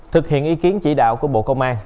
thực hiện ý kiến chỉ đạo của bộ công an